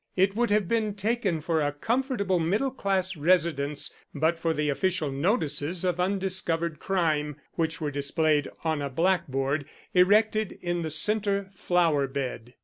It would have been taken for a comfortable middle class residence but for the official notices of undiscovered crime which were displayed on a black board erected in the centre flower bed.